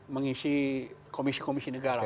mengisi komisi komisi negara